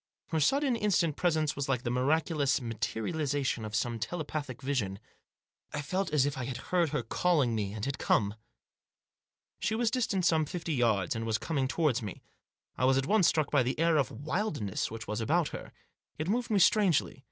Her sudden, instant presence was like the miraculous materialisation of some telepathic vision. I felt as if I had heard her calling me, and had come. She was distant some fifty yards, and was coming towards me. I was at once struck by the air of wild ness which was about her. It moved me strangely.